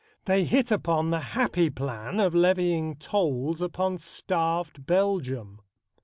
They hit upon the happy plan of levying tolls upon starved Belgium.